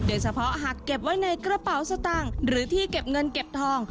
หากเก็บไว้ในกระเป๋าสตางค์หรือที่เก็บเงินเก็บทอง